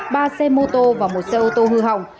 ba xe mô tô và một xe ô tô hư hỏng